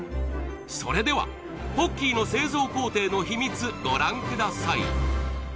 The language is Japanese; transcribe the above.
それではポッキーの製造工程のヒミツご覧ください